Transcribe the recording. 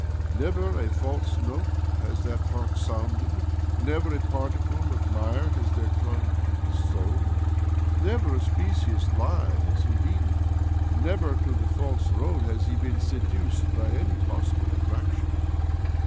Never a false note has that heart sounded ; never a particle of mire has there clung to his soul ; never .a specious lie has he heeded ; деѵег to the false road has he been seduced by any possible attraction.